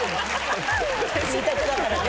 ２択だからね